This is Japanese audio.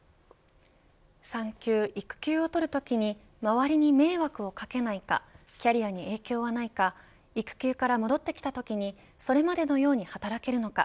産休、育休を取るときに周りに迷惑をかけないかキャリアに影響はないか育休から戻ってきたときにそれまでのように働けるのか。